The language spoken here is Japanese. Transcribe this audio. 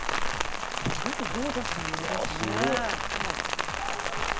ゴージャスなゆりですね。